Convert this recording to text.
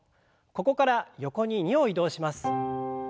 ここから横に２歩移動します。